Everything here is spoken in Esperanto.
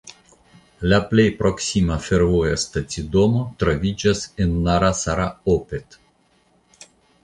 La plej proksima fervoja stacidomo troviĝas en Narasaraopet.